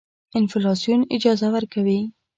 انفلاسیون اجازه ورکوي.